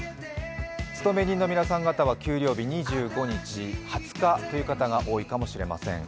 勤め人の皆さん方は給料日、２５日、２０日という方が多いかもしれません。